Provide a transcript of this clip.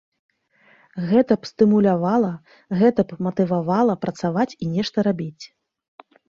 Гэта б стымулявала, гэта б матывавала працаваць і нешта рабіць.